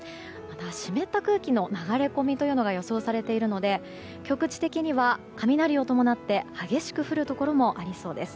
湿った空気の流れ込みというのが予想されているので局地的には雷を伴って激しく降るところもありそうです。